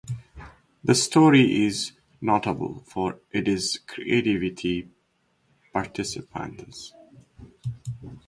The story is notable for its creative participants.